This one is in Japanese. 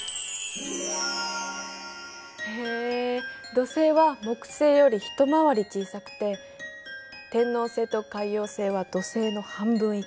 へえ土星は木星より一回り小さくて天王星と海王星は土星の半分以下。